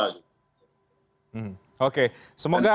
dan kita juga jangan mau jadi korban